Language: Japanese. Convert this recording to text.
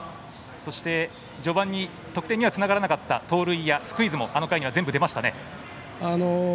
そして、序盤に得点にはつながらなかった盗塁やスクイズもあの回には全部出ましたね。